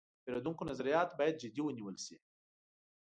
د پیرودونکو نظریات باید جدي ونیول شي.